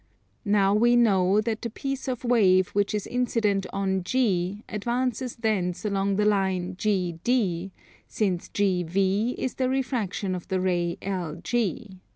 Now we know that the piece of wave which is incident on G, advances thence along the line GD, since GV is the refraction of the ray LG.